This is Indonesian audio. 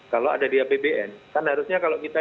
kalau ada di apbn kan harusnya kalau kita